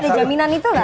tapi ada jaminan itu gak